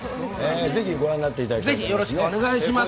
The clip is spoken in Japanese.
ぜひご覧になっていただきたいと思います。